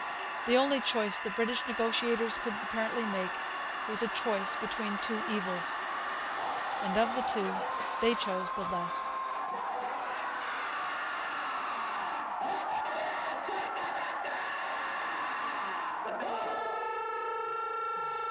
The only choice the British negotiators could apparently make was a choice between two evils. And of the two they chose the less.